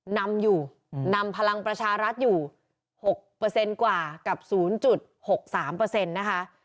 นำอยู่นำพลังประชารัฐอยู่๖กว่ากับ๐๖๓นะคะ